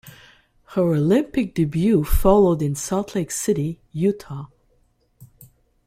Her Olympic debut followed in Salt Lake City, Utah.